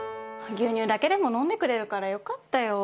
牛乳だけでも飲んでくれるからよかったよ。